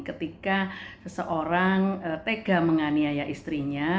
ketika seseorang tega menganiaya istrinya